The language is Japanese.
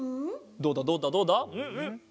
どうだどうだどうだ？ん？